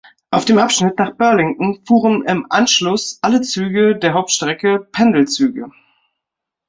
Auf dem Abschnitt nach Burlington fuhren im Anschluss an alle Züge der Hauptstrecke Pendelzüge.